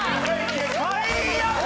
最悪！